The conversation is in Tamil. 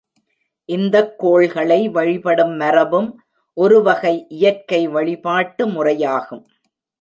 இந்தக் கோள்களை வழிபடும் மரபும் ஒருவகை இயற்கை வழிபாட்டு முறையாகும்.